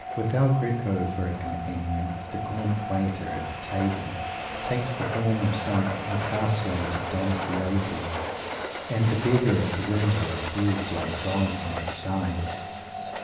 With El Greco for a companion, the gaunt waiter at the table takes the form of some incarcerated Don Quixote and the beggars at the window appear like gods in disguise.